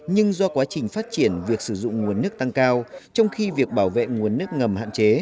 nhưng do quá trình phát triển việc sử dụng nguồn nước tăng cao trong khi việc bảo vệ nguồn nước ngầm hạn chế